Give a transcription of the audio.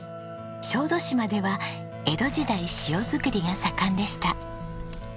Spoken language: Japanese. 小豆島では江戸時代塩作りが盛んでした。